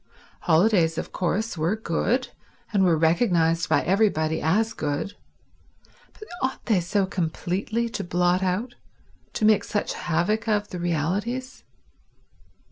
Holidays, of course, were good, and were recognized by everybody as good, but ought they so completely to blot out, to make such havoc of, the realities?